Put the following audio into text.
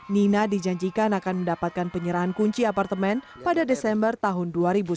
nina dijanjikan akan mendapatkan penyerahan kunci apartemen pada desember tahun dua ribu sembilan belas